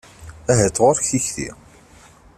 Ahat ɣuṛ-k tikti?